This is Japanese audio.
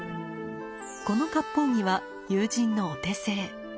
この割烹着は友人のお手製。